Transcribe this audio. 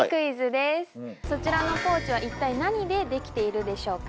そちらのポーチは一体何でできているでしょうか？